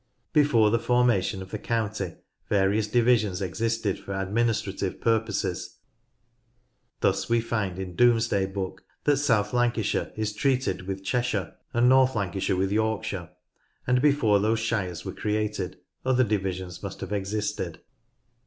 Before the formation of the county, various divisions existed for administrative purposes. Thus we find in Domesday Book that South Lancashire is treated with Cheshire, and North Lancashire with Yorkshire, and before those shires were created other divisions must have existed.